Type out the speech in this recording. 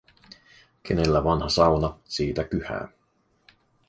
Kenellä vanha sauna, siitä kyhää.